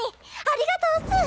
ありがとうっす！